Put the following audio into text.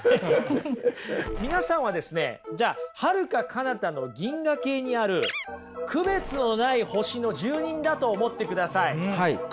皆さんはですねじゃあはるか彼方の銀河系にある区別のない星の住民だと思ってください。